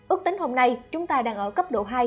ước tính hôm nay chúng ta đang ở cấp độ hai